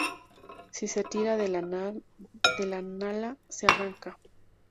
Si se tira de la lana se arranca.